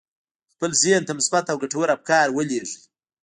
خپل ذهن ته مثبت او ګټور افکار ولېږئ